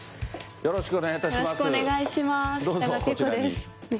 よろしくお願いします。